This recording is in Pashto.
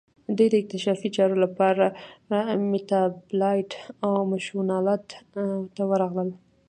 دوی د اکتشافي چارو لپاره میتابالنډ او مشونالند ته ورغلل.